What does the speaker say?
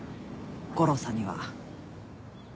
悟郎さんには。